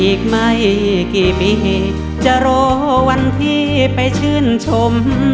อีกไม่กี่ปีจะรอวันที่ไปชื่นชม